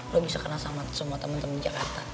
lo bisa kenal sama semua temen temen di jakarta